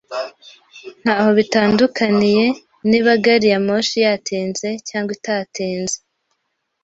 Ntaho bitandukaniye niba gari ya moshi yatinze cyangwa idatinze.